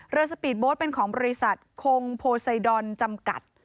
สปีดโบ๊ทเป็นของบริษัทคงโพไซดอนจำกัด